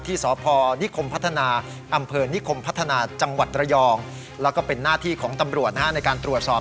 ที่สพนิคมพัฒนาอำเภอนิคมพัฒนาจังหวัดระยองแล้วก็เป็นหน้าที่ของตำรวจในการตรวจสอบ